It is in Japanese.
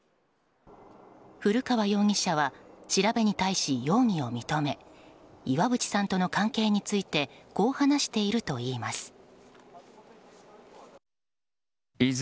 古川容疑者は調べに対し容疑を認め岩渕さんとの関係についてこう話しているといいます。